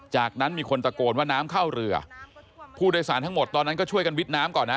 จากนั้นมีคนตะโกนว่าน้ำเข้าเรือผู้โดยสารทั้งหมดตอนนั้นก็ช่วยกันวิทย์น้ำก่อนนะ